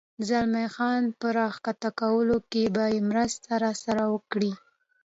زلمی خان په را کښته کولو کې به یې مرسته راسره وکړې؟